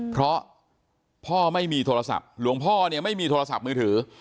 เพราะพ่อไม่มีโทรศัพท์หลวงพ่อเนี่ยไม่มีโทรศัพท์มือถือ